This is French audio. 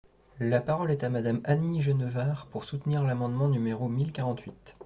La parole est à Madame Annie Genevard, pour soutenir l’amendement numéro mille quarante-huit.